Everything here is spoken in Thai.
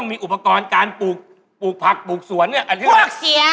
เฮ้ยผักเขาสะอาดนะเว้ย